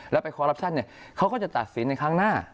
แล้วไปคอรัปชั่นเขาก็จะตัดสินในครั้งหน้า